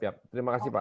terima kasih pak